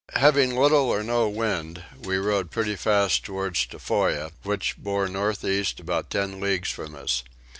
Having little or no wind we rowed pretty fast towards Tofoa, which bore north east about 10 leagues from us.